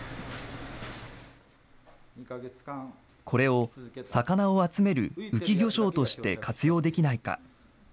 これを、魚を集める浮き魚礁として活用できないか。